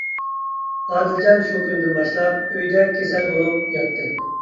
ئادىلجان شۇ كۈندىن باشلاپ ئۆيىدە «كېسەل» بولۇپ ياتتى.